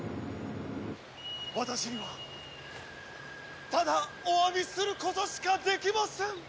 私にはただお詫びすることしかできません！